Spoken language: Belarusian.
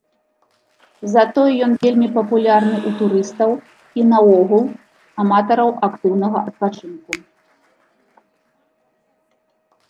Затое ён вельмі папулярны ў турыстаў і наогул аматараў актыўнага адпачынку.